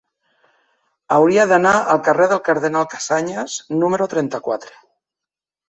Hauria d'anar al carrer del Cardenal Casañas número trenta-quatre.